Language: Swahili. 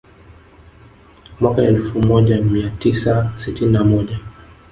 Y mwaka Elfu moja mia tisa sitini na moja